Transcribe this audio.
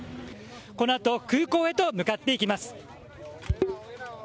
このあと空港へと向かっていきます。